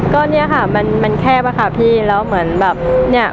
ก็เนี่ยค่ะมันแคบอะค่ะพี่แล้วเหมือนแบบเนี่ย